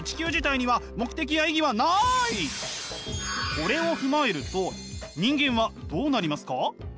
これを踏まえると人間はどうなりますか？